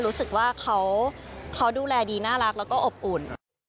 รู้สึกว่าเขาดูแลดีน่ารักแล้วก็อบอุ่น